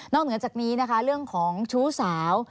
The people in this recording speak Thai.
เหนือจากนี้นะคะเรื่องของชู้สาว